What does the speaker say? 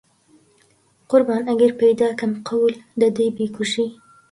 قوربان ئەگەر پەیدا کەم قەول دەدەی بیکوژی؟